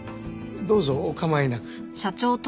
どうぞお構いなく。